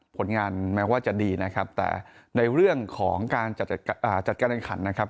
ผลงานแม้ว่าจะดีนะครับแต่ในเรื่องของการจัดการแข่งขันนะครับ